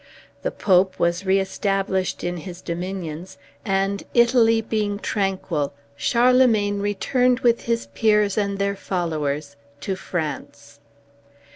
The Pope was reestablished in his dominions, and Italy being tranquil, Charlemagne returned with his peers and their followers to France.